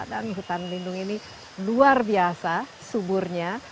dan hutan lindung ini luar biasa suburnya